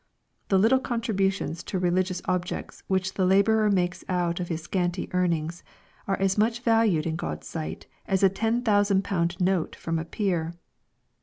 The little contributions to religious objects which the laborer makes out of his scanty earnings, are as much vahied in God's sight as a ten thousand pound note from a peer.